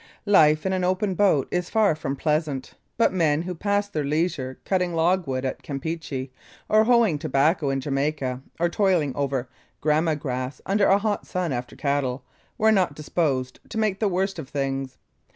Life in an open boat is far from pleasant, but men who passed their leisure cutting logwood at Campeachy, or hoeing tobacco in Jamaica, or toiling over gramma grass under a hot sun after cattle, were not disposed to make the worst of things.